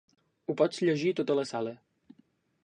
Ho pots llegir a tota la sala.